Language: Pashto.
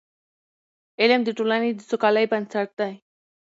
علم د ټولني د سوکالۍ بنسټ دی.